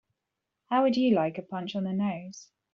How would you like a punch in the nose?